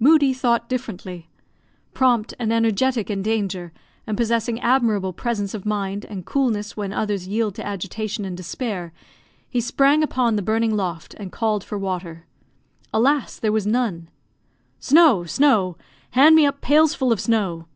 Moodie thought differently. Prompt and energetic in danger, and possessing admirable presence of mind and coolness when others yield to agitation and despair, he sprang upon the burning loft and called for water. Alas, there was none! "Snow, snow; hand me up pailsful of snow!"